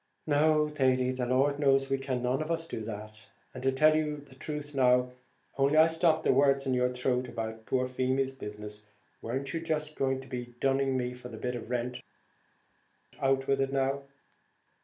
"No, Thady, the Lord knows we can none of us do that and, tell the truth now, only I stopped the words in your throat about poor Feemy's business, weren't you just going to be dunning me for the bit of rent? out with it now."